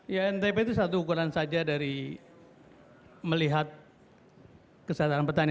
ya ntp itu satu ukuran saja dari melihat kesejahteraan petani